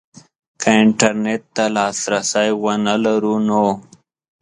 که انترنټ ته لاسرسی ونه لرو نو